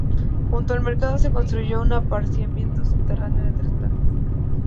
Junto al mercado se construyó un aparcamiento subterráneo de tres plantas.